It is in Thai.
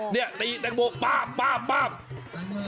ตีให้แตกหรอตีแจงโม